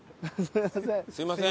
すいません。